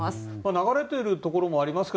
流れているところもありますが